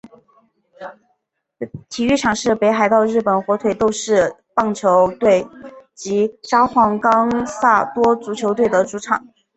体育场是北海道日本火腿斗士棒球队及札幌冈萨多足球队的主场。